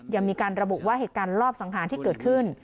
ยังมีการระบุว่าเหตุการณ์รอบสังหารที่เกิดขึ้น